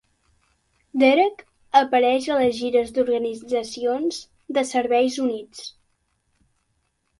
Derek apareix a les gires d'Organitzacions de Serveis Units.